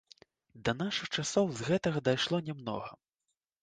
Да нашых часоў з гэтага дайшло нямнога.